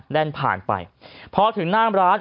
แน่นผ่านไปพอถึงน่างร้าน